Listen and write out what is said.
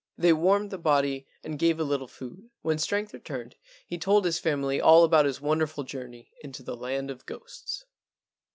They warmed the body and gave a little food. When strength returned he told his family all about his wonderful journey into the land of ghosts.